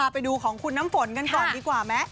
ไปดูของคุณน้ำฝนกันก่อนดีกว่าไหม